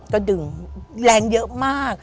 ก็ดึงแรงเยอะมาก